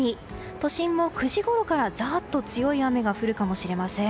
都心も９時ごろからザーッと強い雨が降るかもしれません。